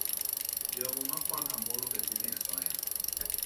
Jogo ma kwano ombulu bende imiyo asoya